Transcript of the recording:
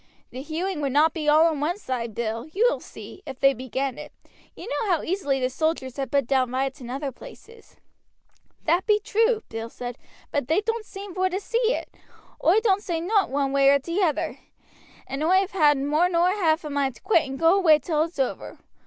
"The hewing would not be all on one side, Bill, you will see, if they begin it. You know how easily the soldiers have put down riots in other places." "That be true," Bill said; "but they doan't seem vor to see it. Oi don't say nowt one way or t' other, and oi have had more nor half a mind to quit and go away till it's over.